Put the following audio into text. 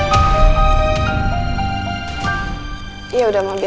tapi que si disgusting tuh